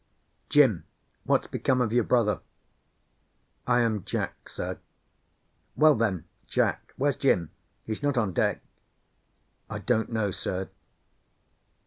"Jim, what's become of your brother?" "I am Jack, sir." "Well, then, Jack, where's Jim? He's not on deck." "I don't know, sir."